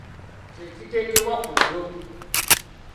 Kye kiteekwa ku ddobo.